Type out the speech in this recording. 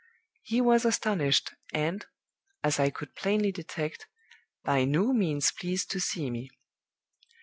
He was astonished, and, as I could plainly detect, by no means pleased to see me.